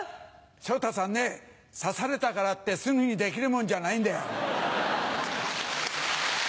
昇太さんね指されたからってすぐにできるもんじゃないんだよ。